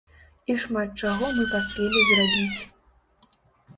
І шмат чаго мы паспелі зрабіць.